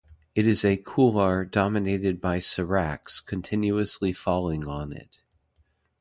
It is a couloir dominated by seracs continuously falling on it.